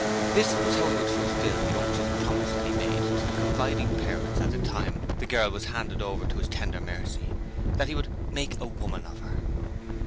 This was how he fulfilled the unctuous promise made to the confiding parents at the time the girl was handed over to his tender mercy that he would 'make a woman of her'.